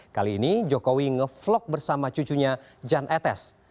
kali ini jokowi nge vlog bersama cucunya jan etes